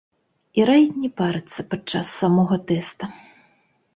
І раіць не парыцца падчас самога тэста.